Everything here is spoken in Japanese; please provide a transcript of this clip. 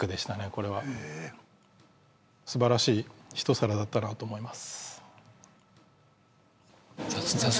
これはすばらしいひと皿だったなと思います